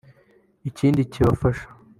Ikindi kibafasha